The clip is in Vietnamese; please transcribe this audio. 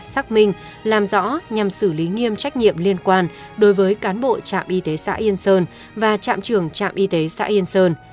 xác minh làm rõ nhằm xử lý nghiêm trách nhiệm liên quan đối với cán bộ trạm y tế xã yên sơn và trạm trường trạm y tế xã yên sơn